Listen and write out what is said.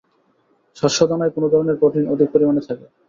শস্য দানায় কোন ধরনের প্রোটিন অধিক পরিমাণে থাকে?